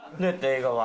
映画は。